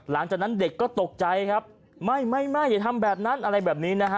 หลังจากนั้นเด็กก็ตกใจครับไม่ไม่อย่าทำแบบนั้นอะไรแบบนี้นะฮะ